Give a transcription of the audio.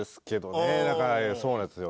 だからそうですよ。